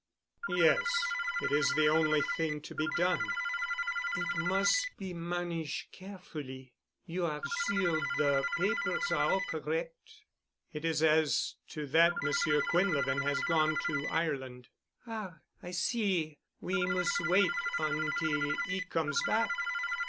"Yes; it is the only thing to be done." "It mus' be manage' carefully. You are sure de papers are all correct?" "It is as to that Monsieur Quinlevin has gone to Ireland." "Ah, I see—we mus' wait until 'e comes back.